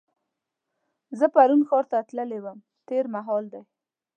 زه پرون ښار ته تللې وم تېر مهال دی.